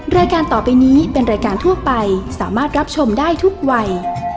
รายการต่อไปนี้เป็นรายการทั่วไปสามารถรับชมได้ทุกวัย